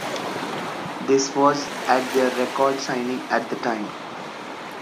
This was at their record signing at the time.